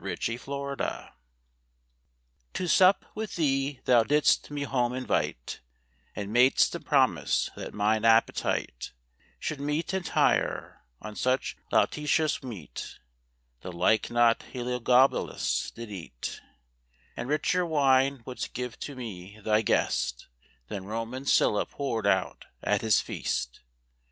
THE INVITATION To sup with thee thou didst me home invite, And mad'st a promise that mine appetite Should meet and tire, on such lautitious meat, The like not Heliogabalus did eat: And richer wine would'st give to me, thy guest, Than Roman Sylla pour'd out at his feast.